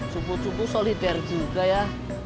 cupu cupu solider juga ya